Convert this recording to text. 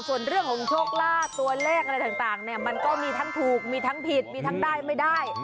ส่วนเรื่องของโชคลาภตัวเลขอะไรต่างเนี่ยมันก็มีทั้งถูกมีทั้งผิดมีทั้งได้ไม่ได้